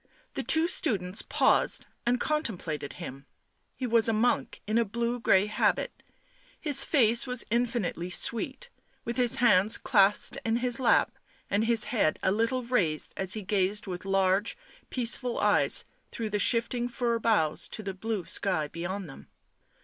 The two students paused and contemplated him ; he was a monk in a blue grey habit ; his face was infinitely sweet ; with his hands clasped in his lap and his head a little raised he gazed with large, peaceful eyes through the shifting fir boughs to the blue sky beyond them.